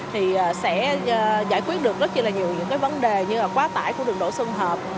thì sẽ giải quyết được rất là nhiều những cái vấn đề như là quá tải của đường đổ xuân hợp